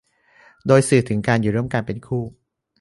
โดยสื่อถึงการอยู่ร่วมกันเป็นคู่